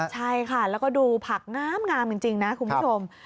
ใช่ค่ะแล้วก็ดูผักงามจริงนะคุณผู้ชม